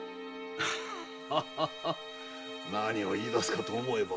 何を言い出すかと思えば。